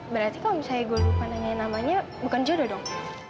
berarti kalau misalnya gue lupa nanyain namanya bukan jodoh dong